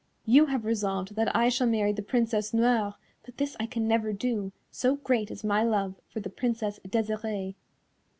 "You have resolved that I shall marry the Princess Noire, but this I can never do, so great is my love for the Princess Desirée."